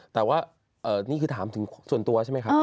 แต่ว่านี่คือถามถึงส่วนตัวใช่ไหมครับ